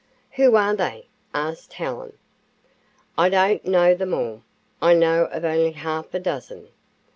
"Who are they?" asked Helen. "I don't know them all. I know of only half a dozen.